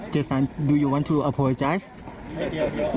เจ๊สันคุณอยากขอโทษไหม